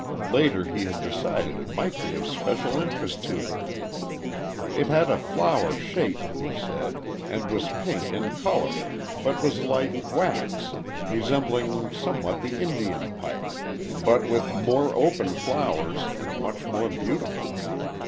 Later he had decided it might be of special interest to her. It had a flower shape, he said, and was pink in color, but was like wax, resembling somewhat the Indian pipe, but with more open flowers and much more beautiful.